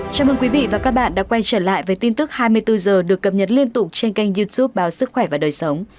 chào mừng quý vị và các bạn đã quay trở lại với tin tức hai mươi bốn h được cập nhật liên tục trên kênh youtube báo sức khỏe và đời sống